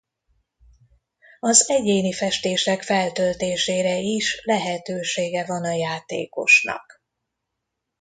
Az egyéni festések feltöltésére is lehetősége van a játékosnak.